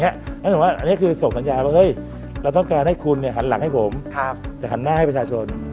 แล้วผมว่าอันนี้คือส่งสัญญาบังเกิ้ลเราต้องการให้คุณหนังผมหันหน้าให้ประชาชน